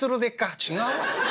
「違うわ！